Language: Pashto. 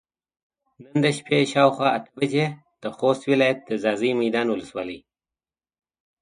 نن د شپې شاوخوا اته بجې د خوست ولايت د ځاځي ميدان ولسوالۍ